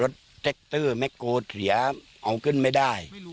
รถแท็คเตอร์แม็คกโลเถียเอาขึ้นไม่ได้ไม่รู้